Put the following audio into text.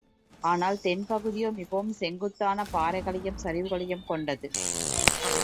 ஆனால் தென்பகுதியோ மிகவும் செங்குத்தான பாறைகளையும் சரிவுகளையும் கொண்டது.